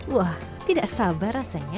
wah tidak sabar rasanya